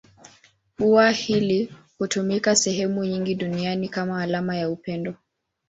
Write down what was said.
Ua hili hutumika sehemu nyingi duniani kama alama ya upendo.